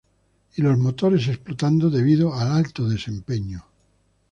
Y los motores explotando debido al alto desempeño.